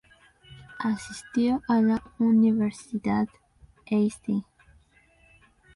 Asistió a la Universidad St.